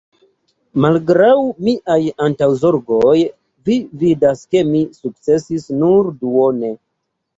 Malgraŭ miaj antaŭzorgoj, vi vidas, ke mi sukcesis nur duone.